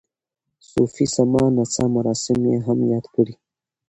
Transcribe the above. صوفي سما نڅا مراسم یې هم یاد کړي.